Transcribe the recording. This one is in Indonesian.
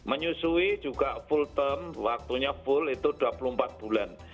menyusui juga full term waktunya full itu dua puluh empat bulan